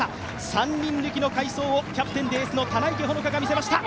３人抜きの快走をキャプテンでエースの棚池穂乃香が見せました。